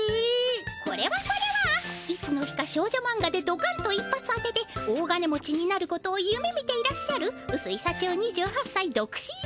いつの日か少女マンガでドカンと一発当てて大金持ちになることをゆめみていらっしゃるうすいさちよ２８さい独身様。